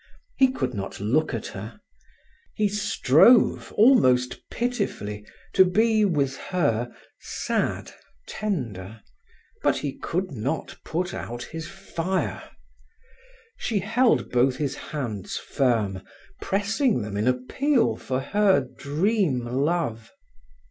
He could not look at her. He strove almost pitifully to be with her sad, tender, but he could not put out his fire. She held both his hands firm, pressing them in appeal for her dream love.